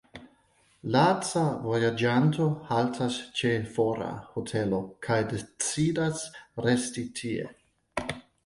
Laca vojaĝanto haltas ĉe fora hotelo kaj decidas resti tie.